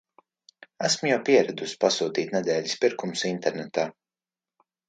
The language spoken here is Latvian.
Esmu jau pieradusi pasūtīt nedēļas pirkumus internetā.